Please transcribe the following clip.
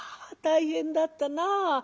「あ大変だったなあ。